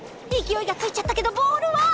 勢いがついちゃったけどボールは？